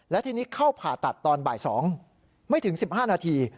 และทีนี้เข้าผ่าตัดตอนบ่าย๒ไม่ถึง๑๕นาที